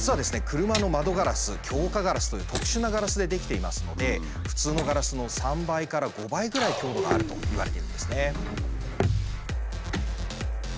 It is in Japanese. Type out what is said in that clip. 車の窓ガラス強化ガラスという特殊なガラスで出来ていますので普通のガラスの３倍から５倍ぐらい強度があるといわれているんですね。